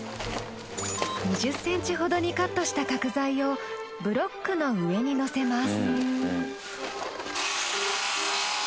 ２０ｃｍほどにカットした角材をブロックの上にのせます。